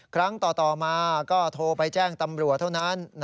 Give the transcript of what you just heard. ครั้งต่อมาก็โทรไปแจ้งตำรวจเท่านั้น